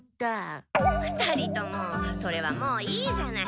２人ともそれはもういいじゃない。